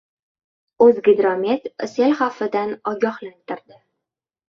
O‘zgidromet sel xavfidan ogohlantirdi